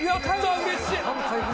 うれしい。